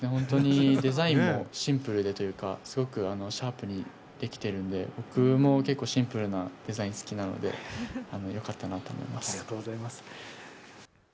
デザインもシンプルでというか、すごくシャープにできているんで僕も結構シンプルなデザイン好きなのでよかったなと思います。